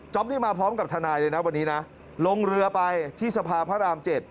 นี่มาพร้อมกับทนายเลยนะวันนี้นะลงเรือไปที่สภาพระราม๗